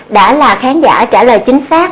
đã là khán giả trả lời chính xác